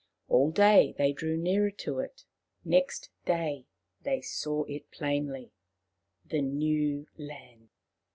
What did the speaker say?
All day they drew nearer to it. Next day they saw it plainly — the new land.